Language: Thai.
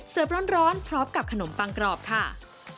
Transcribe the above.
ร้อนพร้อมกับขนมปังกรอบค่ะ